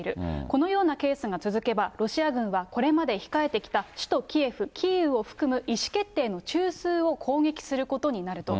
このようなケースが続けば、ロシア軍はこれまで控えてきた首都キエフ、キーウを含む意思決定の中枢を攻撃することになると。